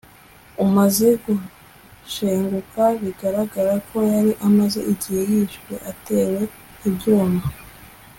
umaze gushenguka bigaragara ko yari amaze igihe yishwe atewe ibyuma